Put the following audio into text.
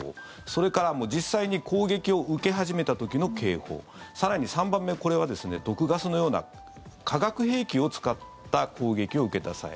それから実際に攻撃を受け始めた時の警報更に３番目これは毒ガスのような化学兵器を使った攻撃を受けた際。